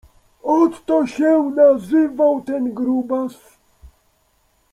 Otto się nazywał ten grubas.